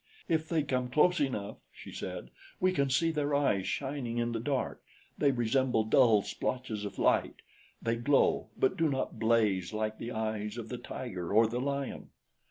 "If they come close enough," she said, "we can see their eyes shining in the dark they resemble dull splotches of light. They glow, but do not blaze like the eyes of the tiger or the lion."